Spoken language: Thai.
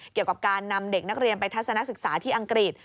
เกี่ยวกับการนำเด็กนักเรียนไปทัศนศึกษาที่อังกฤษ